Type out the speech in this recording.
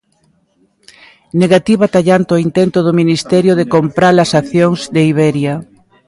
Negativa tallante ó intento do ministerio de compra-las accións de Iberia